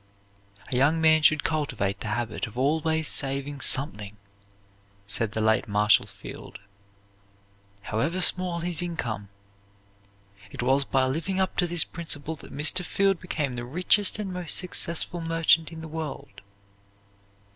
"A young man should cultivate the habit of always saving something," said the late Marshall Field, "however small his income." It was by living up to this principle that Mr. Field became the richest and most successful merchant in the world.